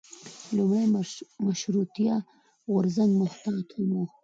لومړی مشروطیه غورځنګ محتاط هم و.